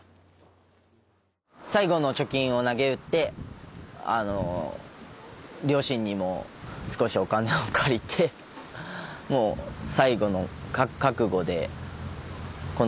最後の貯金をなげうってあの両親にも少しお金を借りてもう最後の覚悟でこの地には来ましたけど。